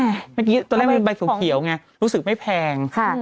เมื่อกี้ตอนแรกมีใบสูงเขียวไงรู้สึกไม่แพง